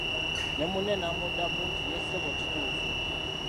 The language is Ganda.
Ne munne n'amuddamu nti "ye ssebo kituufu"